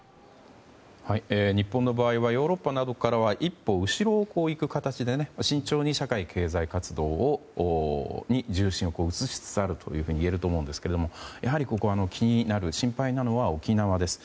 日本の場合はヨーロッパなどからは一歩後ろを行く形で慎重に社会経済活動に重心を移しつつあるといえると思うんですがやはりここは心配なのは沖縄です。